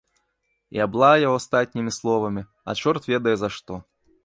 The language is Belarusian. І аблаяў астатнімі словамі, а чорт ведае за што.